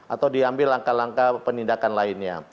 atau diambil langkah langkah penindakan lainnya